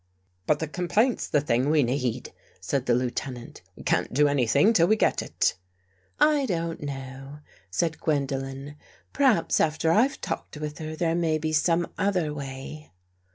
" But the complaint's the thing we need," said the io8 FIGHTING THE DEVIL WITH FIRE Lieutenant. "We can't do anything till we get it." " I don't know," said Gwendolen. " Perhaps after I've talked with her, there may be some other way."